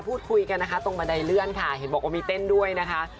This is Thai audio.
พูดคุยกันนะคะตรงบันไดเลื่อนค่ะเห็นบอกว่ามีเต้นด้วยนะคะ